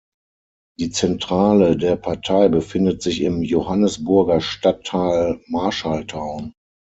Die Zentrale der Partei befindet sich im Johannesburger Stadtteil Marshalltown.